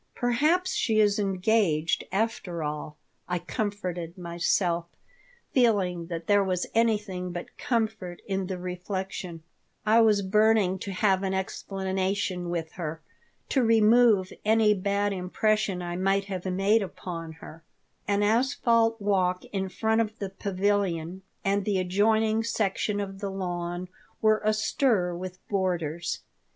"Perhaps she is engaged, after all," I comforted myself, feeling that there was anything but comfort in the reflection I was burning to have an explanation with her, to remove any bad impression I might have made upon her An asphalt walk in front of the pavilion and the adjoining section of the lawn were astir with boarders.